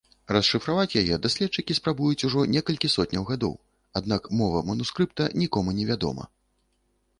Расшыфраваць яе даследчыкі спрабуюць ужо некалькі сотняў гадоў, аднак мова манускрыпта нікому не вядома.